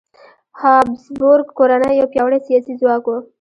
هابسبورګ کورنۍ یو پیاوړی سیاسي ځواک و.